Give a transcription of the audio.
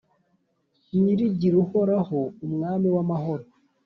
Nyirigir’uhoraho umwami w’amahoro.